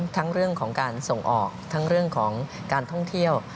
ทั้งเรื่องของการส่งออกทั้งเรื่องของการท่องเที่ยว